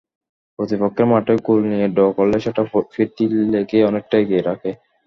প্রতিপক্ষের মাঠে গোল নিয়ে ড্র করলে সেটা ফিরতি লেগে অনেকটাই এগিয়ে রাখে।